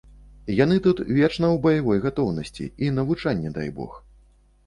Яны тут вечна ў баявой гатоўнасці, і навучанне дай бог.